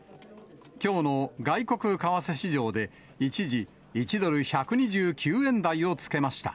きょうの外国為替市場で、一時１ドル１２９円台をつけました。